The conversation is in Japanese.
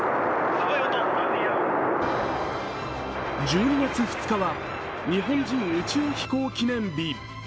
１２月２日は日本人宇宙飛行記念日。